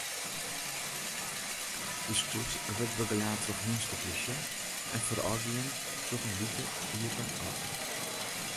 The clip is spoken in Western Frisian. De stoet wurdt begelaat troch hynsteplysje en foarôfgien troch in wite iepen auto.